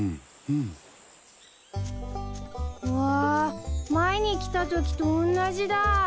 うわぁ前に来たときとおんなじだ！